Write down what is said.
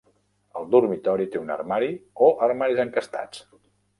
El dormitori té un armari, o armaris encastats?